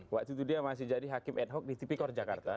waktu itu dia masih jadi hakim ad hoc di tipikor jakarta